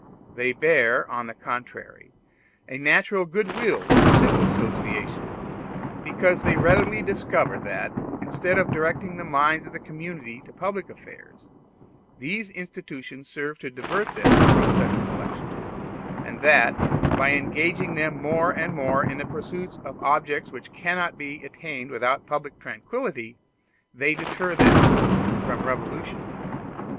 They bear, on the contrary, a natural goodwill to civil associations, because they readily discover that, instead of directing the minds of the community to public affairs, these institutions serve to divert them from such reflections; and that, by engaging them more and more in the pursuit of objects which cannot be attained without public tranquillity, they deter them from revolutions.